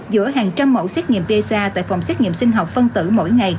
giữa hàng trăm mẫu xét nghiệm psa tại phòng xét nghiệm sinh học phân tử mỗi ngày